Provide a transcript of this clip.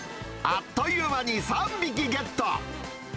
あっという間に３匹ゲット。